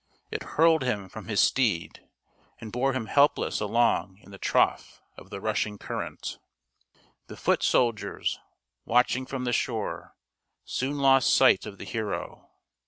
It hurled him irom his steed, and bore him helpless along in the trough of the rushing current. The foot soldiers, watching from the shore, soon lost sight of the hero.